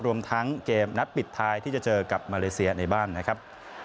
รวมทั้งเกมนัดปิดท้ายที่จะเจอกับมาเลเซียในบ้านนะครับ